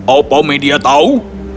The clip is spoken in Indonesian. apa media tahu